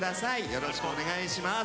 よろしくお願いします。